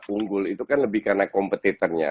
unggul itu kan lebih karena kompetitornya